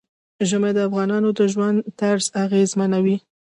ژمی د افغانانو د ژوند طرز اغېزمنوي.